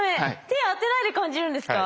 手当てないで感じるんですか？